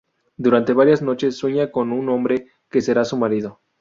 Durante varias noches sueña con un hombre que será su marido.